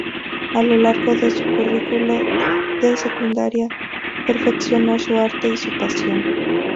A lo largo de su currículo de secundaria, perfeccionó su arte y su pasión.